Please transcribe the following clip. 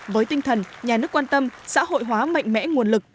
với tinh thần nhà nước quan tâm xã hội hóa mạnh mẽ nguồn lực